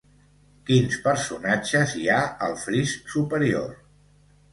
Quins personatges hi ha al fris superior?